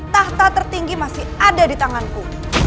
tahta tertinggi masih ada di tanganku